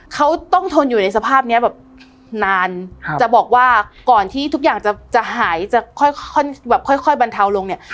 เขาต้องทนอยู่ในสภาพนี้แบบนานจะบอกว่าก่อนที่ทุกอย่างจะหายจะค่อยแบบค่อยบรรเทาลงเนี่ย